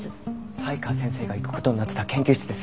才川先生が行く事になってた研究室です。